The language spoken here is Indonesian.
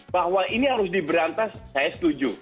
bahwa ini harus diberantas saya setuju